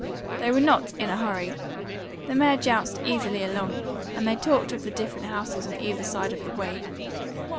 They were not in a hurry. The mare jounced easily along, and they talked of the different houses on either side of the way.